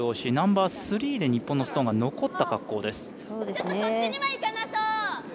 ナンバースリーで日本のストーンが残った格好です。